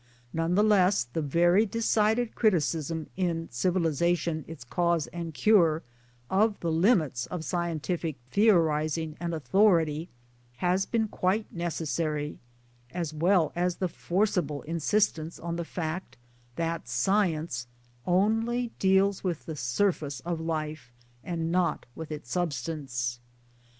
None the less the very decided criticism in Civiliza tion : Its Cause and Care, of the limits of scientific theorizing and authority has been quite necessary ; as well as the forcible insistence on the fact that Science only deals with the surface of life and not with its substance.